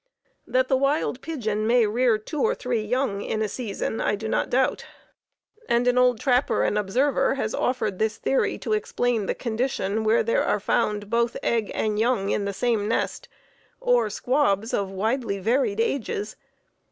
That the wild pigeon may rear two or three young in a season, I do not doubt, and an old trapper and observer has offered this theory to explain the condition where there are found both egg and young in the same nest, or squabs of widely varied ages.